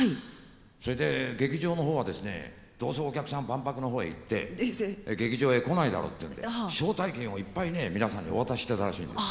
それで劇場の方はですねどうせお客さん万博の方へ行って劇場へ来ないだろうっていうんで招待券をいっぱいね皆さんにお渡ししてたらしいんです。